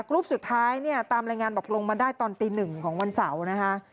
รูปสุดท้ายเนี่ยตามรายงานบอกลงมาได้ตอนตีหนึ่งของวันเสาร์นะคะ